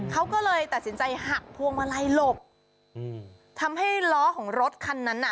เขาก็เลยตัดสินใจหักพวงมาลัยหลบอืมทำให้ล้อของรถคันนั้นน่ะ